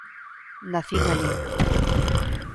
Nacín alí.